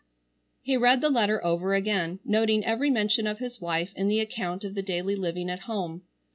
He read the letter over again, noting every mention of his wife in the account of the daily living at home.